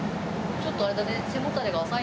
ちょっとあれだね。